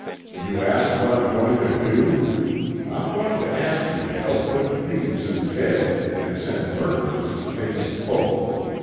"You ask what I'm going to do? I'm going to ask you to help put thieves in jail, and send murderers to pay in full.